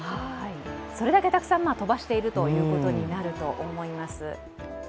それだけたくさん飛ばしているということになると思います。